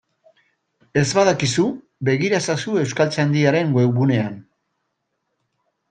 Ez badakizu, begira ezazu Euskaltzaindiaren webgunean.